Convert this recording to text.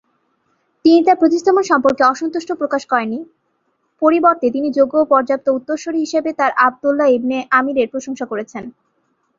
তিনি তার প্রতিস্থাপন সম্পর্কে অসন্তুষ্টি প্রকাশ করেননি, পরিবর্তে তিনি যোগ্য ও পর্যাপ্ত উত্তরসূরি হিসাবে তার আবদুল্লাহ ইবনে আমিরের প্রশংসা করেছিলেন।